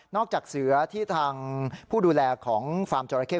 จากเสือที่ทางผู้ดูแลของฟาร์มจราเข้